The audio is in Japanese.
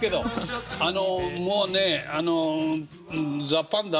もうねあの「ザ・パンダ」